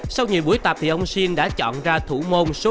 sau nhiều buổi tập thì ông shin đã chọn ra thủ môn số một